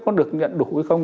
có được nhận đủ hay không